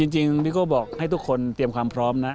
จริงพี่โก้บอกให้ทุกคนเตรียมความพร้อมนะ